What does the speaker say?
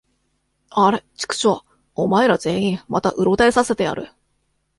あれ、ちくしょう！おまえら全員、またうろたえさせてやる。